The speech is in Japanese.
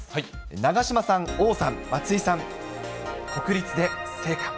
長嶋さん、王さん、松井さん、国立で聖火。